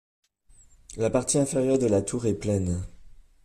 La partie inférieure de la tour est pleine.